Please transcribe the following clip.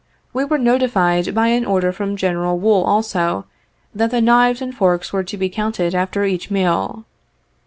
We were notified, by an order from General Wool also, that the knives and forks were to be counted after each meal.